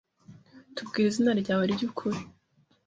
Tubwire izina ryawe ryukuri.